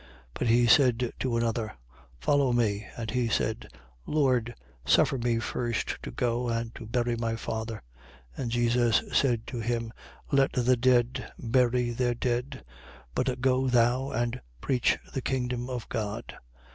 9:59. But he said to another: Follow me. And he said: Lord, suffer me first to go and to bury my father. 9:60. And Jesus said to him: Let the dead bury their dead: but go thou and preach the kingdom of God.